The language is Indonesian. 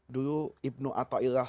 dulu ibnu atta'illah